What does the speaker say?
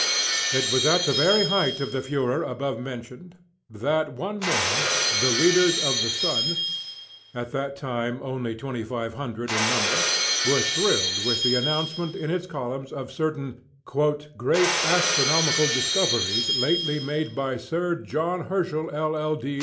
It was at the very height of the furor above mentioned, that one morning the readers of the "Sun" at that time only twenty five hundred in number were thrilled with the announcement in its columns of certain "Great Astronomical Discoveries Lately Made by Sir John Herschel, LL.